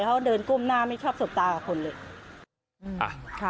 เขาเดินก้มหน้าไม่ชอบสบตากับคนเลย